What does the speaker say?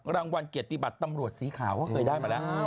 รางวัลเกียรติบัตรตำรวจสีขาวก็เคยได้มาแล้ว